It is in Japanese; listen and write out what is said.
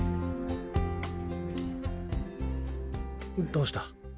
どうした？